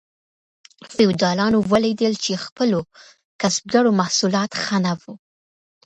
فیوډالانو ولیدل چې د خپلو کسبګرو محصولات ښه نه وو.